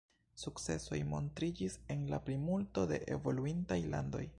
Sukcesoj montriĝis en la plimulto de evoluintaj landoj.